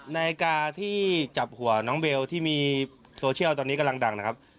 นาฬิกาที่จับหัวน้องเบลที่มีโซเชียลตอนนี้กำลังดังนะครับ